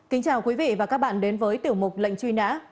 kính chào quý vị và các bạn đến với tiểu mục lệnh truy nã